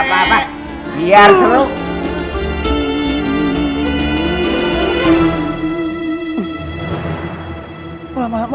kayak joget sama sarukan